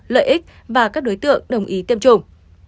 lợi ích và các đối tượng đồng ý tiêm chủng